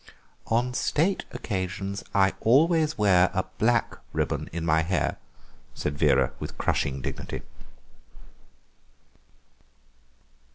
"On state occasions I always wear a black ribbon in my hair," said Vera with crushing dignity.